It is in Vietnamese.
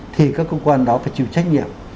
thì các cơ quan đó phải chịu trách nhiệm